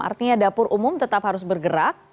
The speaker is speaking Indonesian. artinya dapur umum tetap harus bergerak